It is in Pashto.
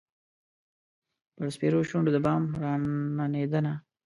پر سپیرو شونډو د بام راننېدمه